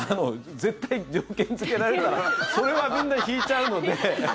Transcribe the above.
絶対条件つけられるのはそれはみんな引いちゃうので。